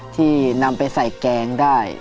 ที่นำไปใส่แกงได้